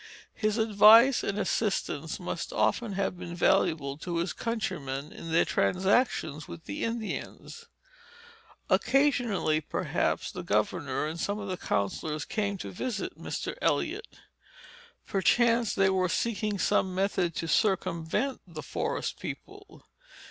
His advice and assistance must often have been valuable to his countrymen, in their transactions with the Indians. Occasionally, perhaps, the governor and some of the counsellors came to visit Mr. Eliot. Perchance they were seeking some method to circumvent the forest people.